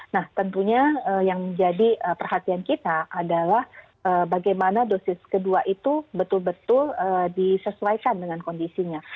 nah tentunya yang menjadi perhatian kita adalah bagaimana dosis kedua itu betul betul disesuaikan dengan kondisinya